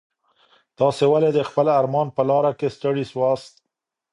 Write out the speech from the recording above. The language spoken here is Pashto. تاسي ولي د خپل ارمان په لاره کي ستړي سواست؟